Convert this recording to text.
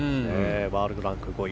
ワールドランク５位。